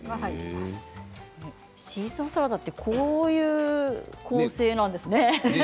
シーザーサラダってこういう構成なんですね。